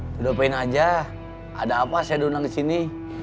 sudah pengen aja ada apa saya donang disini